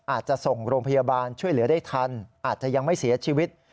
อาจจะส่งโรงพยาบาลช่วยเหลือได้ทันอาจจะยังไม่เสียชีวิต